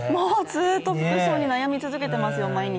ずっと服装に悩み続けてますよ、毎日。